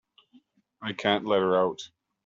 I can't let her out.